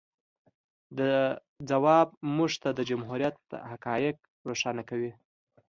د ځواب موږ ته د جمهوریت حقایق روښانه کوي.